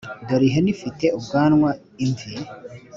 dore ihene ifite ubwanwa, imvi,